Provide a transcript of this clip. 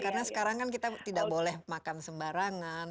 karena sekarang kan kita tidak boleh makan sembarangan